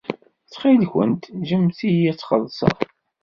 Ttxil-kent ǧǧemt-iyi ad xellṣeɣ.